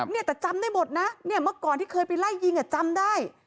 เนี่ยแต่จำได้หมดนะเนี่ยเมื่อก่อนที่เคยไปไล่ยิงอ่ะจำได้